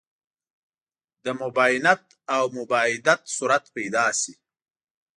د مباینت او مباعدت صورت پیدا شي.